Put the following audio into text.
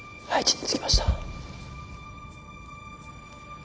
はい。